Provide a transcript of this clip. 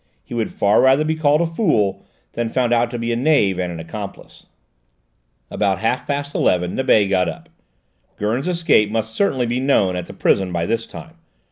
He would far rather be called a fool, than found out to be a knave and an accomplice. About half past eleven Nibet got up; Gurn's escape must certainly be known at the prison by this time.